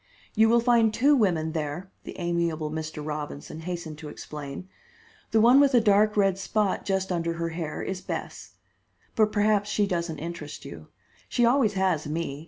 "You will find two women there," the amiable Mr. Robinson hastened to explain. "The one with a dark red spot just under her hair is Bess. But perhaps she doesn't interest you. She always has me.